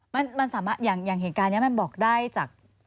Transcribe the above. มันสามารถอย่างเหตุการณ์นี้มันบอกได้จาก